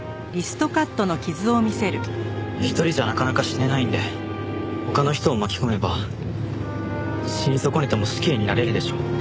一人じゃなかなか死ねないんで他の人を巻き込めば死に損ねても死刑になれるでしょう？